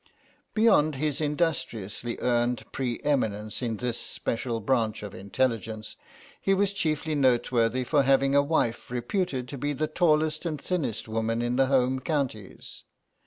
Beyond his industriously earned pre eminence in this special branch of intelligence, he was chiefly noteworthy for having a wife reputed to be the tallest and thinnest woman in the Home Counties.